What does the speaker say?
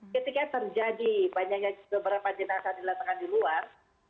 ketika terjadi beberapa jenazah di latar di luar